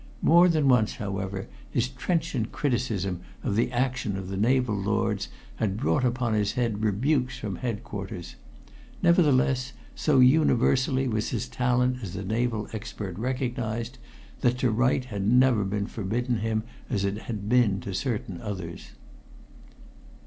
More than once, however, his trenchant criticism of the action of the naval lords had brought upon his head rebukes from head quarters; nevertheless, so universally was his talent as a naval expert recognized, that to write had never been forbidden him as it had been to certain others.